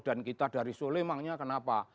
dan kita dari sole emangnya kenapa